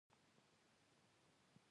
کوکچه سیند ولې دومره تیز دی؟